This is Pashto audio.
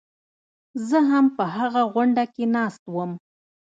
زه هم په هغه غونډه کې ناست وم.